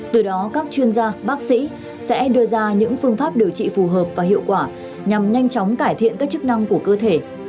từ đó các chuyên gia bác sĩ sẽ đưa ra những phương pháp điều trị phù hợp và hiệu quả nhằm nhanh chóng cải thiện các chức năng của cơ thể